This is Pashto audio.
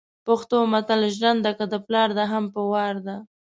پښتو متل ژرنده که دپلار ده هم په وار ده